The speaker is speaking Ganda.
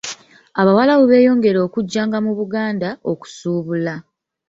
Abawarabu beeyongera okujjanga mu Buganda, okusuubula.